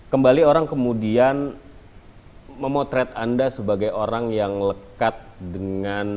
kembali orang kemudian memotret anda sebagai orang yang lekat dengan